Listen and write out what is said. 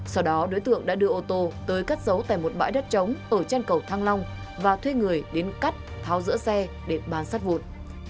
sau đó đối tượng đã đưa ô tô tới cắt giấu tại một bãi đất trống ở chân cầu thăng long và thuê người đến cắt tháo giữa xe để bán sắt vụn